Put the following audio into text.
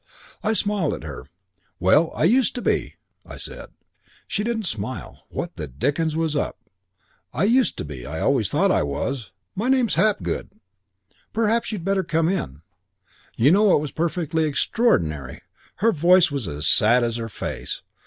"I smiled at her. 'Well, I used to be,' I said. She didn't smile. What the dickens was up? 'I used to be. I always thought I was. My name's Hapgood.' "'Perhaps you'd better come in.' "You know, it was perfectly extraordinary. Her voice was as sad as her face.